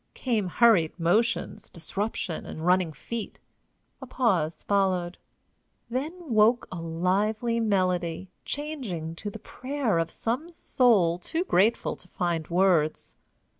Came hurried motions, disruption, and running feet. A pause followed. Then woke a lively melody, changing to the prayer of some soul too grateful to find words.